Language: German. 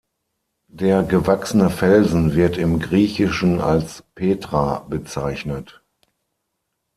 Der gewachsene Felsen wird im Griechischen als "petra" bezeichnet.